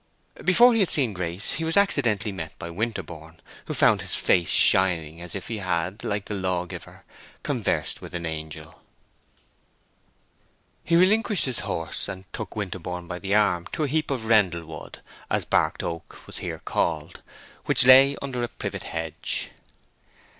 Before he had seen Grace, he was accidentally met by Winterborne, who found his face shining as if he had, like the Law giver, conversed with an angel. He relinquished his horse, and took Winterborne by the arm to a heap of rendlewood—as barked oak was here called—which lay under a privet hedge.